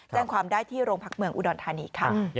แจ้งความได้ที่โรงพักเมืองอุดรธานีค่ะ